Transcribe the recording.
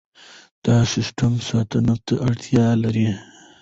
دا سیستم ساتنې ته اړتیا لري.